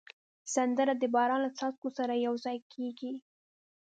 سندره د باران له څاڅکو سره یو ځای کېږي